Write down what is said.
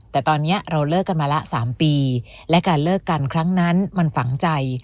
แต่ตอนนี้เราเลิกกันมาละ๓ปีและการเลิกกันครั้งนั้นมันฝังใจ